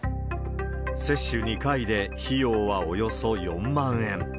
接種２回で費用はおよそ４万円。